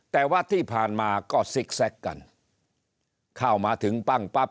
แต่ว่าที่ผ่านมาก็ซิกแซคกันเข้ามาถึงปั้งปั๊บ